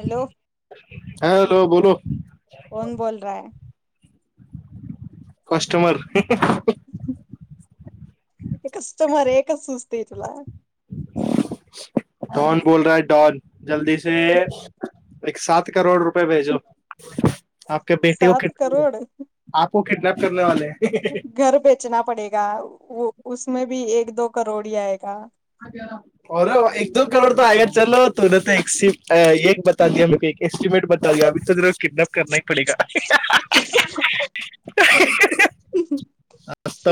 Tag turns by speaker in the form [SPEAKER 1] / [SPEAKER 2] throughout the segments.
[SPEAKER 1] Hello.
[SPEAKER 2] Hello बोलो
[SPEAKER 1] कोण बोलराय.
[SPEAKER 2] कस्टमर.
[SPEAKER 1] एक कस्टमर आहे. कस सूचते तला
[SPEAKER 2] डॉन बोल रहा है डॉन. जलदीसे. एक सात करोड रुपये. भेजो. आपके बेटे को
[SPEAKER 1] सात
[SPEAKER 2] क
[SPEAKER 1] करोड
[SPEAKER 2] आप की किडनॅप. करणे वाले है.
[SPEAKER 1] घर बेचना पडेगा. उसमे भी एक दो करोड आयेगा.
[SPEAKER 2] र एक दो करोड आग चल तु न एक बता द एक एस्टिमेट ब द अ. [inaudible] किडन्याप करणा ही पडेगा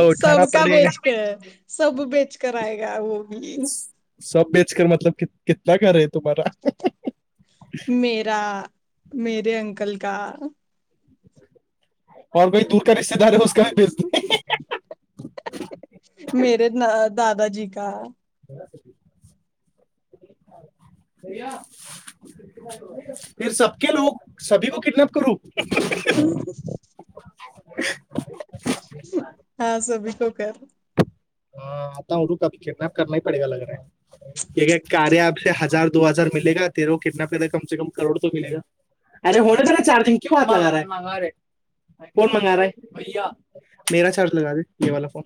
[SPEAKER 2] [inaudible] उठाना
[SPEAKER 1] सबका
[SPEAKER 2] पडेगा.
[SPEAKER 1] बेच कर सब बेच कर आएगा वो भी
[SPEAKER 2] सभ्य मतलब कितना घर है तुम्हारा.
[SPEAKER 1] मेरा मेरे अंकल का.
[SPEAKER 2] और कोई दुरका रिश्तेदारे.
[SPEAKER 1] मेरे ना. दादाजी का.
[SPEAKER 2] [inaudible] ये सबके लो सभी को किडनप करू.
[SPEAKER 1] हा सभ होकर.
[SPEAKER 2] हा आता किडन्याप करनाही पडेगा लग कार्या हजार दो हजार म ते कडनप कम कम करोड अरे हो चजिंगनै म चार्ज लग फोन.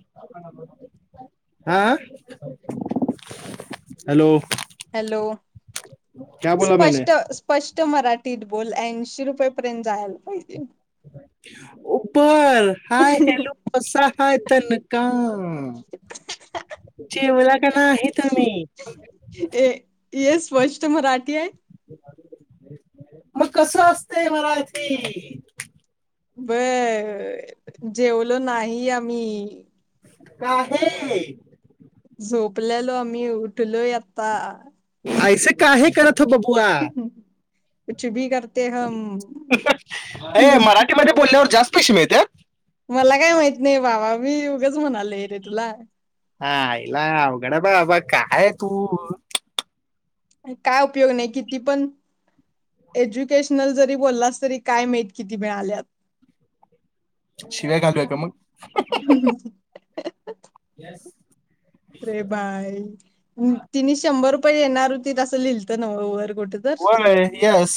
[SPEAKER 2] हा हॅलो.
[SPEAKER 1] हॅलो
[SPEAKER 2] बोला मैंने
[SPEAKER 1] स्पष्ट स्पष्ट मराठी. नीट बोल ऐंशी रुपये पर्यंत जायला पाहिजे.
[SPEAKER 2] उपर. हाय हॅलो बसा हाय का जेवला का नाही तुम्ही
[SPEAKER 1] त [inaudible]
[SPEAKER 2] मग कसं असतंय मराठी
[SPEAKER 1] बर जेवलो नाही आम्ही
[SPEAKER 2] का आहे
[SPEAKER 1] झोपलेलो आम्ही उठलोय आता
[SPEAKER 2] ऐसं काय आहे करत उठो पबूवा
[SPEAKER 1] कुछ बी करत
[SPEAKER 2] अ मराठीमध्ये बोलल्यावर जास्त पैशे मिलत्यात
[SPEAKER 1] मला काय माहित नाही बाबा मी उगंच म्हणालोय रे तुला
[SPEAKER 2] हा आईला अवघड बाबा कायय तू
[SPEAKER 1] काय उपयोग नाही किती पण एज्युकेशनल जरी बोललास तरी काय माहित किती मिळाल्यात
[SPEAKER 2] शिव्या घालूया काय मग
[SPEAKER 1] रे बाय तिने शंभर पण येणार होतीत अस ल्हिलत न्हव वर कुठे तर
[SPEAKER 2] व्हय यस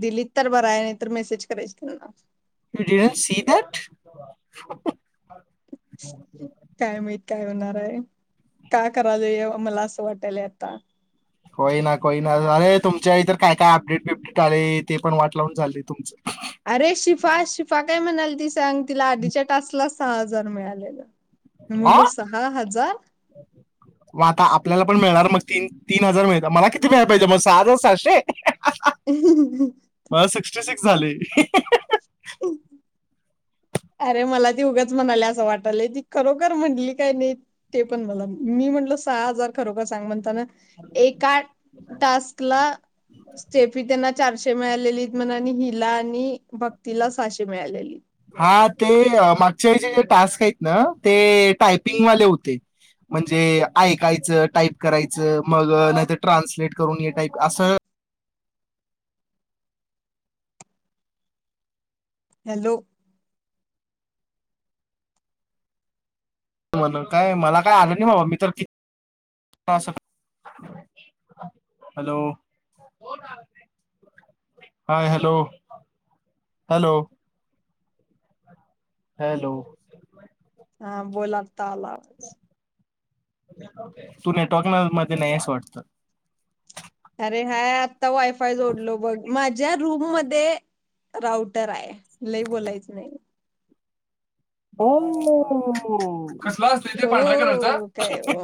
[SPEAKER 1] दिलीत तर बर आहे नाही तर मेसेज करायच त्यांना
[SPEAKER 2] सी दट
[SPEAKER 1] काय माहत काय हुणार आहे का करायला ह मला असं वाटालय आत्ता
[SPEAKER 2] कोय ना कोई ना अरे तुमच्या इतर काय काय अपडेट बिपडेट आले ते पण वाट लावून झाचाले तुमचं
[SPEAKER 1] अरे शिफा शिफा काय म्हणालती ती सांग तिला आधीच्या तासला सहा हजार मिळालेला
[SPEAKER 2] अ आता मग आपल्याला पण मिळणार मग तीन तीन हजार मिळतात मला किती मिळा पाहिजे मग सहा हजार साहाशे
[SPEAKER 1] ह
[SPEAKER 2] फ्ट सिक्स झाले
[SPEAKER 1] हम अरे मला ती उगच म्हणाल्या असं वाटलंय ती खरोखर म्हटली काय नाही ते पण मला मी म्हटल सहा हजार खरोखर सांग म्हणताना एका टास्क ला स्टेपी तेना चारशे मिळालेलीत म्हणा आणि हिला आणि भक्तीला साशे मिळालेली
[SPEAKER 2] हा ते मागच्य वेळच टास्क आहेत ना ते टायपिंगवाले होते म्हणजे ऐकायचं टाईप करायचं मग नाहीतर ट्रान्सलेट करून ये टाईप असं
[SPEAKER 1] हॅलो
[SPEAKER 2] काय मला काय आलं नाही बाबा मी तर hello hi hello hello hello.
[SPEAKER 1] हा बोला. [unintelligible]
[SPEAKER 2] तु नेटवर्क मध्ये नाही आहेस वाटत?
[SPEAKER 1] अरे हाय. आत्ता वायफाय जोडलो बघ, माझ्या रूम मध्ये राऊटर आहे लई बोलायचं नाही.
[SPEAKER 2] होमो मो म म कसला असत ते पांढऱ्या
[SPEAKER 1] ओ
[SPEAKER 2] कलरचं.
[SPEAKER 1] काय ओ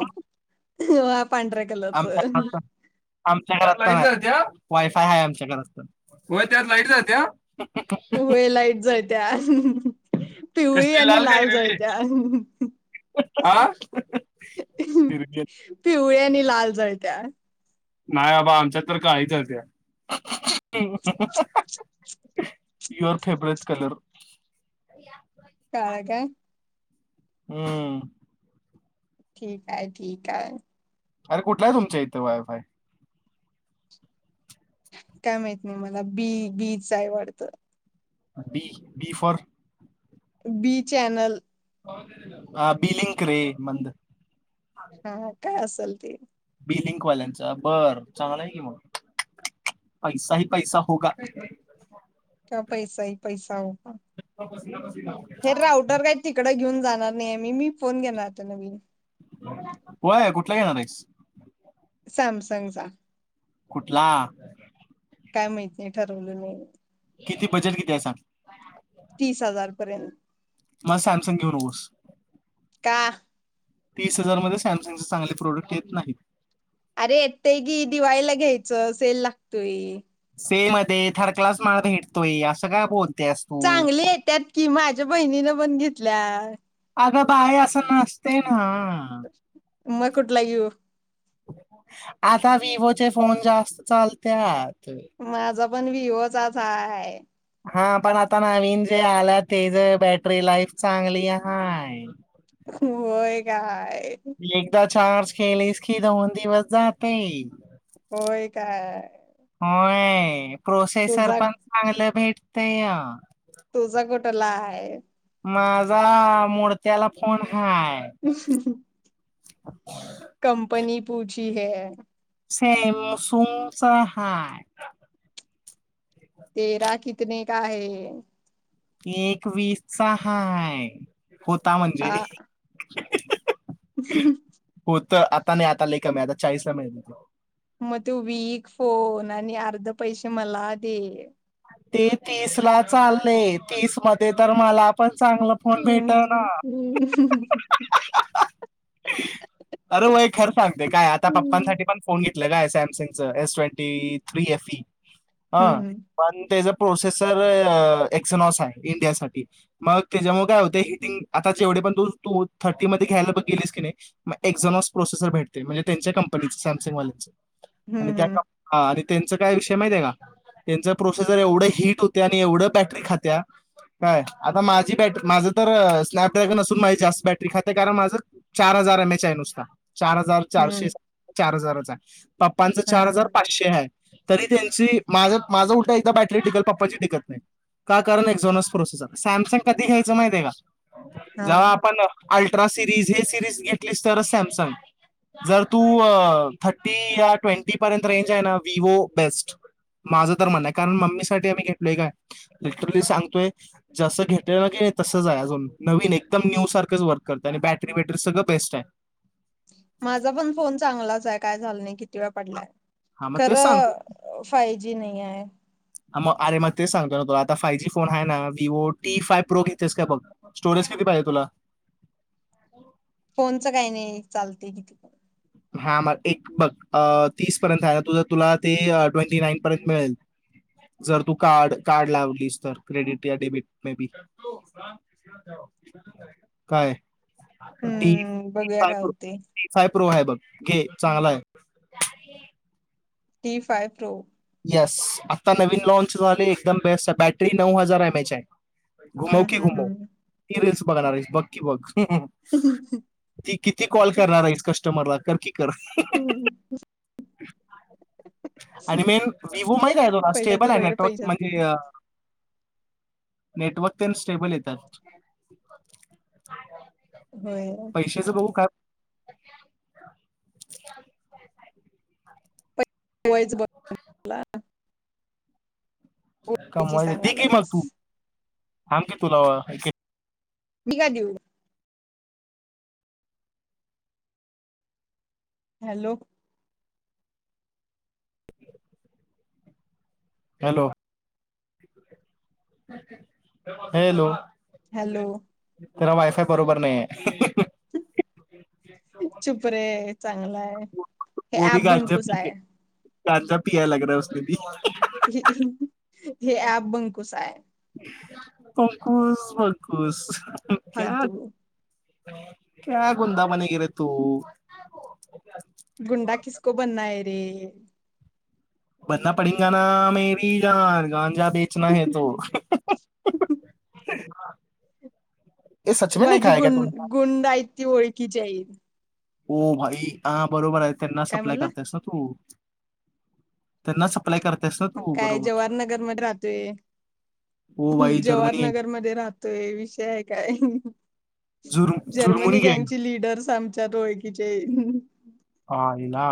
[SPEAKER 1] वा, पांढऱ्या
[SPEAKER 2] हम
[SPEAKER 1] कलरचं
[SPEAKER 2] हम हम. आमच्या पण आमच्या घरा लाईट जात्या, वायफाय आहे आमच्या घरात तर. होय त्यात लाईट जात्या.
[SPEAKER 1] होय लाईट जा त्या. पिवळी
[SPEAKER 2] कसली
[SPEAKER 1] आणि
[SPEAKER 2] का
[SPEAKER 1] लाल
[SPEAKER 2] हिरवी
[SPEAKER 1] जळत्या. हम्म हम्म
[SPEAKER 2] हा
[SPEAKER 1] हम्म.
[SPEAKER 2] हिरवी
[SPEAKER 1] पिवळी आणि लाल जळत्या.
[SPEAKER 2] नाय बाबा आमच्यात तर काळी जळत्या हम हम हम. हम. ह ह हा. Your favourite colour.
[SPEAKER 1] काळ काय?
[SPEAKER 2] हम्म.
[SPEAKER 1] ठीक हाय ठीक हाय.
[SPEAKER 2] अरे कुठलाय तुमच्या इथ वाय फाय?
[SPEAKER 1] काय माहित नाही मला बी बी च हाय वाडतं.
[SPEAKER 2] B B for
[SPEAKER 1] B channel.
[SPEAKER 2] अ बिलिंक रे मंद.
[SPEAKER 1] हा काय अस लते.
[SPEAKER 2] बि लिंक वाल्यांचा बर चांगलाय कि मग, [inaudible]
[SPEAKER 1] [inaudible] हे राऊटर काय तिकड घेऊन जाणार नाही मी, मी फोन घेणार आता नवीन.
[SPEAKER 2] होय कुठला घेणार आहेस?
[SPEAKER 1] सॅमसंगचा.
[SPEAKER 2] कुठला?
[SPEAKER 1] काय मईत नाही ठरवलं नाही.
[SPEAKER 2] किती बजट कितीय सांग?
[SPEAKER 1] तीस हजार पर्यंत.
[SPEAKER 2] मग सॅमसंग घेऊ नकोस.
[SPEAKER 1] का?
[SPEAKER 2] तीस हजार मध्ये सॅमसंगच चांगले प्रोडक्ट येत नाहीत.
[SPEAKER 1] अरे येतंय की दिवाळीला घ्यायचं सेल लागतोय.
[SPEAKER 2] सेल मध्ये थर्ड क्लास माल भेटतोय असं काय बोल
[SPEAKER 1] चांगली येत्यात की माझ्या बहिणीनं पण घेत ल्या.
[SPEAKER 2] अग बाय असं नसते ना.
[SPEAKER 1] मग कुठला येऊ
[SPEAKER 2] आता विवोचे फोन जास्त चालत्यात
[SPEAKER 1] माझा पण विवोचाचय
[SPEAKER 2] हा पण आता नवीन जे आला ते ज बॅटरी लाईफ चांगली हाय
[SPEAKER 1] होय काय
[SPEAKER 2] म एकदाच चार्ज केलीस की दोन दिवस जाते.
[SPEAKER 1] होय, काय?
[SPEAKER 2] होय प्रोसेसर
[SPEAKER 1] तुझा
[SPEAKER 2] पण चांगलं भेट तया
[SPEAKER 1] काय
[SPEAKER 2] माझा मोडत्याला फोन हाय
[SPEAKER 1] कंपनी पूची ती हे
[SPEAKER 2] सेम सुमचा हाय,
[SPEAKER 1] तेरा कितने का हे,
[SPEAKER 2] एक वीसचा हाय, होता म्हणजे,
[SPEAKER 1] हा
[SPEAKER 2] [inaudible] हो त आत आता लय नाही, आता कमी हाय आता चाळीस मिळतो.
[SPEAKER 1] मग तो वीक फोन, आणि अर्ध पैसे मला दे,
[SPEAKER 2] ते तीसला चाललय, तीसमध्ये तर मला पण चांगला फोन भेटना,
[SPEAKER 1] हम्म हम्म
[SPEAKER 2] अरे! वय खरं सांगते काय आता पप्पांसाठी पण फोन घेत घेतल काय सॅमसंगच एस ट्वेंटी थ्री एफई
[SPEAKER 1] हम्म हम्म
[SPEAKER 2] पण त्याचा प्रोसेसर एक्झनॉस आहे. इंडियासाठी मग त्याच्यामुळे काय होत हिटिंग आता जेवढे पण तू तू थर्टी मध्ये घ्यायला गेलीस की नाही मग एक्झनॉस प्रोसेसर भेटते म्हणजे त्यांच्या कंपनीच सॅमसंगवाल्यांच, आणि
[SPEAKER 1] हम्म
[SPEAKER 2] त्या त्यांच काय विषय माहित आहे का? त्यांच प्रोसेसर एवढं हिट होत, आणि एवढं बॅटरी खात्या काय आता माझी बॅट माझं तर स्नॅपड्रॅगन असून माझी जास्त बॅटरी खातीया कारण माझं चार हजार एम एच आय नुसता, चार हजार चारशे
[SPEAKER 1] हम्म
[SPEAKER 2] चार हजार [unintelligible] पाप्पांचं
[SPEAKER 1] हा
[SPEAKER 2] चार हजार पाचशे आहे. तरी त्यांची माझं माझं उठं एकदा बॅटरी टिकल पप्पाची टिकत नाही, का कारण एक्झॉनस प्रोसेसर सॅमसंग कधी घ्यायचं माहित आहे का?
[SPEAKER 1] हा
[SPEAKER 2] जेव्हा आपण अल्ट्रा सिरीज हे सिरीज घेतलीस तर सॅमसंग जर तू थर्टी या ट्वेंटी पर्यंत रेंज आहे. ना विवो बेस्ट, माझं तर म्हणणं आहे कारण मम्मी साठी आम्ही घेतलोय काय लिटरली सांगतोय जसं घेतलेलं की तसच आहे. अजून नवीन एकदम न्यू सारखंच वर्क करत आणि बॅटरी बॅटरी सगळं बेस्ट आहे.
[SPEAKER 1] माझा पण फोन चांगलाच आहे. काय झाल नाही किती वेळ पडलाय.
[SPEAKER 2] हा मग ते सांग
[SPEAKER 1] खरं फाय जी नाही आहे.
[SPEAKER 2] मग अरे मग तेच सांगतो ना तुला आता फाय जी फोन आहे ना विवो टी फाइ प्रो घेतेस का बघ स्टोरेज किती पाहिजे तुला
[SPEAKER 1] फोनच काही नाही चालते किती पण
[SPEAKER 2] हा म एक बघ तीस पर्यंत आहे ना तुझ तुला ते ट्वेंटी नाईन पर्यंत मिळेल, जर तू कार्ड कार्ड लावलीस तर क्रेडिट या डेबिट मे बी काय? टी
[SPEAKER 1] हम्म बघूया काय होते
[SPEAKER 2] फाय प्रो हाय बघ, घे चांगलाय.
[SPEAKER 1] ती फायर प्रो
[SPEAKER 2] येस आता नवीन लॉन्चझाले एकदम बेस्ट आहे बॅटरी नऊ हजार एम एच आहे. घुमाो
[SPEAKER 1] हम्म
[SPEAKER 2] की घुमो
[SPEAKER 1] हम्म
[SPEAKER 2] ती रिल्स बघणार आहेस बघ की बघ ह ती किती कॉल करणार आहेस. क कस्मरला कर. कर
[SPEAKER 1] हम्म
[SPEAKER 2] आणि मेन विवो माहिताय तुला
[SPEAKER 1] पैशाच
[SPEAKER 2] स्टेबल आहे.
[SPEAKER 1] वगैरे
[SPEAKER 2] नेटवर्क
[SPEAKER 1] पैशाच
[SPEAKER 2] म्हणजे नेटवर्क तेन स्टेबल येतात.
[SPEAKER 1] होय
[SPEAKER 2] पैशाच [inaudible] काय. [inaudible]
[SPEAKER 1] होयच बघ मला
[SPEAKER 2] कमवा दिकी मग
[SPEAKER 1] सांगालायस
[SPEAKER 2] तू आन की पुरावा
[SPEAKER 1] मी का देऊ. हॅलो
[SPEAKER 2] हॅलो हॅलो
[SPEAKER 1] हॅलो
[SPEAKER 2] त्याला वायफाय बरोबर नाहीये.
[SPEAKER 1] चुपरे चांगलाय हे ऍप बंकूस आहे.
[SPEAKER 2] काचाा पिया लाग रयसने दि
[SPEAKER 1] ह हे ॲप बंकुस हाय.
[SPEAKER 2] पंकुश मकुश
[SPEAKER 1] फालतू
[SPEAKER 2] क्या गुंदाबाने गेरे तू
[SPEAKER 1] गुंडा किसको बनना है. ते
[SPEAKER 2] बनना पडिंगा ना मेरी जान गांजा बेचना है तो हे सच में नाही
[SPEAKER 1] माझी
[SPEAKER 2] खाया
[SPEAKER 1] गुं
[SPEAKER 2] का तू
[SPEAKER 1] गुंड हाईत ती ओळखीची हाईत.
[SPEAKER 2] हो भाई ह बरोबर आहे. त्यांना
[SPEAKER 1] काय
[SPEAKER 2] सप्लाय
[SPEAKER 1] म्हणला
[SPEAKER 2] करत्यास ना तू त्यांना स
[SPEAKER 1] मग काय जवाहरनगर मध्ये राहतोय.
[SPEAKER 2] ओ भाई जर्मनी आहे.
[SPEAKER 1] जवाहरनगरमध्ये राहतोय विषय हाय काय
[SPEAKER 2] जुर्म
[SPEAKER 1] जर्मनी
[SPEAKER 2] जुर्मनी गँग
[SPEAKER 1] गँंगची लिडर्स आमच्यात ओळखीचे [inaudible]
[SPEAKER 2] आयला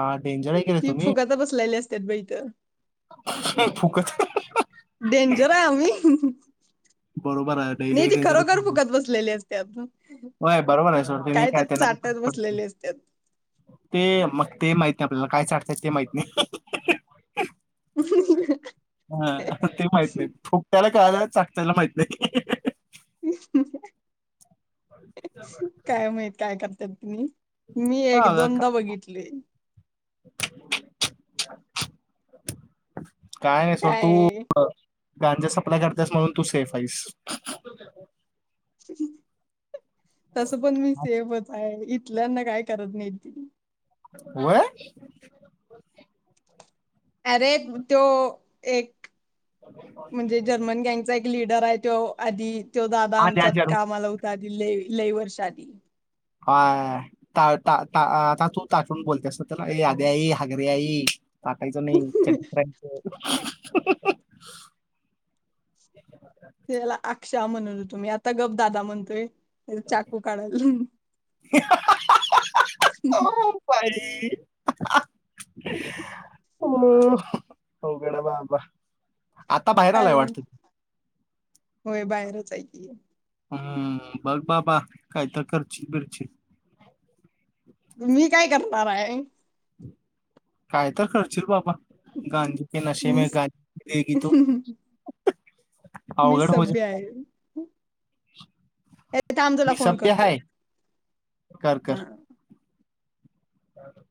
[SPEAKER 1] ती फुकात बसल्याली अस त्यात बी त
[SPEAKER 2] फुकट
[SPEAKER 1] डेंजर आहे आम्ही
[SPEAKER 2] बरोबर आहे
[SPEAKER 1] नाही ती
[SPEAKER 2] डलीडिलंय
[SPEAKER 1] खरोखर फुकत बसलेली असतात
[SPEAKER 2] होय बरोबर आहे सोड काय
[SPEAKER 1] तर चाटत
[SPEAKER 2] त्यांना
[SPEAKER 1] बसलेली असतात.
[SPEAKER 2] ते मग ते माहिती नाय आपल्याला काय चाटत्यात ते माहित नाही हा ते माहित नाहीत फुकट्याला काला चा त्याला माहित नाय
[SPEAKER 1] [inaudible] काय माहित काय करताय तुम्ही मी एक
[SPEAKER 2] हां, का
[SPEAKER 1] दोनदा बघितले.
[SPEAKER 2] [inaudible] काय नाय सोड तू
[SPEAKER 1] काय
[SPEAKER 2] गांजा सप्लाय करत्यास म्हणून तू सेफ आहेस.
[SPEAKER 1] [inaudible] तस पण मी सेफच आहे. इथल्यांना काय करत नाहित ती
[SPEAKER 2] व्हय
[SPEAKER 1] अरे त्यो एक म्हणजे जर्मन गँगचा एक लिडर आहेय त्यो आधी त्यो दादा
[SPEAKER 2] आद्या
[SPEAKER 1] आमच्यात
[SPEAKER 2] जन्म
[SPEAKER 1] कामाला हूता लय लय वर्ष आधी
[SPEAKER 2] हाय ता ता ता ता ताचुन बोलते नं त्याला ये आद्या ये हागऱ्या ये टाकायचं नाही चड्डीत रहायच हहहह
[SPEAKER 1] त्याला आक्शा म्हणूत होतो मी आता गप दादा म्हणतोय. त्याचा चाकू काढाल
[SPEAKER 2] हा ओ अवघड हाय बाबा. आता बाहेर आलाय
[SPEAKER 1] अरे
[SPEAKER 2] वाट की
[SPEAKER 1] रचं आहे की.
[SPEAKER 2] हम्म बघ बाबा काय तर खरची-बिरची
[SPEAKER 1] मी काय करणार आहे?
[SPEAKER 2] काय तर खर्चील बाबा गांजी
[SPEAKER 1] मी
[SPEAKER 2] [unintelligible]
[SPEAKER 1] मी सभ्य आहे, ऐ थांब तुला
[SPEAKER 2] मी
[SPEAKER 1] फोन
[SPEAKER 2] सभ्य
[SPEAKER 1] करतो.
[SPEAKER 2] है, ह